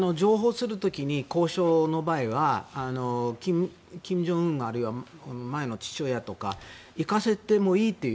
交渉の場合は金正恩あるいは前の父親とか行かせてもいいという。